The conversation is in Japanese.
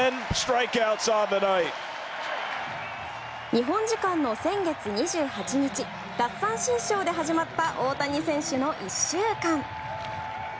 日本時間の先月２８日奪三振ショーで始まった大谷選手の１週間。